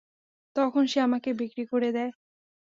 তখন সে আমাকে বিক্রি করে দেয়।